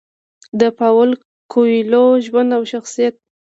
د پاولو کویلیو ژوند او شخصیت: